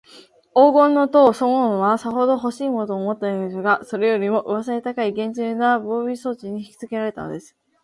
黄金の塔そのものは、さほどほしいとも思わなかったでしょうが、それよりも、うわさに高いげんじゅうな防備装置にひきつけられたのです。